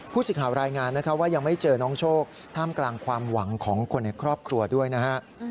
สิทธิ์รายงานนะครับว่ายังไม่เจอน้องโชคท่ามกลางความหวังของคนในครอบครัวด้วยนะฮะ